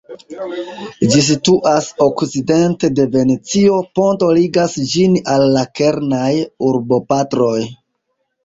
Ĝi situas okcidente de Venecio; ponto ligas ĝin al la kernaj urbopartoj.